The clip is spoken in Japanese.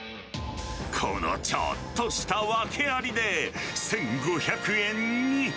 このちょっとした訳ありで、１５００円に。